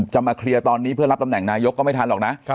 มาเคลียร์ตอนนี้เพื่อรับตำแหน่งนายกก็ไม่ทันหรอกนะ